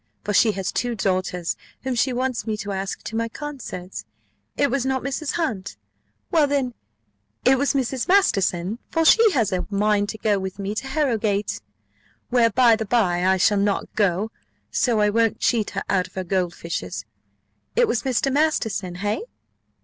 for she has two daughters whom she wants me to ask to my concerts. It was not Mrs. Hunt? Well, then, it was Mrs. Masterson; for she has a mind to go with me to Harrowgate, where, by the bye, I shall not go; so I won't cheat her out of her gold fishes; it was Mrs. Masterson, hey?"